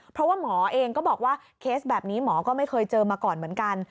เพราะว่าหมอเองก็บอกว่าเคสแบบนี้หมอก็ไม่เคยเจอมาก่อนเหมือนกัน